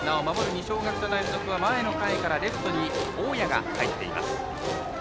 二松学舎大付属は前の回からレフトに大矢が入っています。